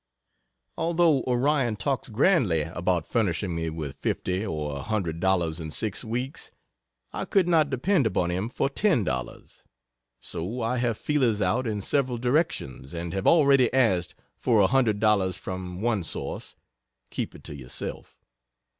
Although Orion talks grandly about furnishing me with fifty or a hundred dollars in six weeks, I could not depend upon him for ten dollars, so I have "feelers" out in several directions, and have already asked for a hundred dollars from one source (keep it to yourself.)